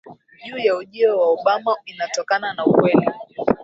juu ya ujio wa Obama inatokana na ukweli